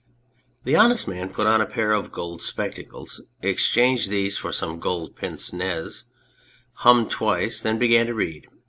The Honest Man put on a pair of gold spectacles, exchanged these for some gold pince nez, hummed twice, then began to read.